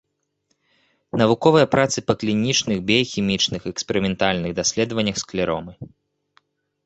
Навуковыя працы па клінічных, біяхімічных, эксперыментальных даследваннях склеромы.